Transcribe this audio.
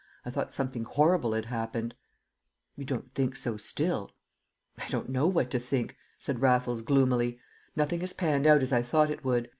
I thought something horrible had happened!" "You don't think so still?" "I don't know what to think," said Raffles, gloomily; "nothing has panned out as I thought it would.